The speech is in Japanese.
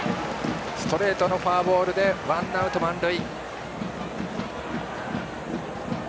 ストレートのフォアボールでワンアウト、満塁。